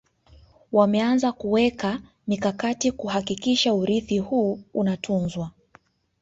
Wameanza kuweka mikakati kuhakikisha urithi huu unatunzwa